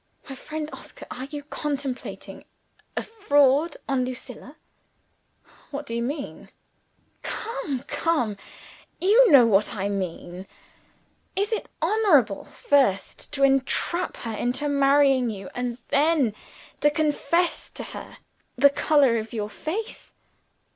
"My friend Oscar, are you contemplating a fraud on Lucilla?" "What do you mean?" "Come! come! you know what I mean! Is it honorable first to entrap her into marrying you and then to confess to her the color of your face?"